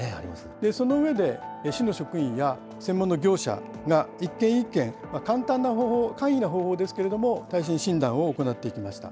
その上で、市の職員や専門の業者が一件一件、簡単な方法、簡易な方法ですけれども、耐震診断を行っていきました。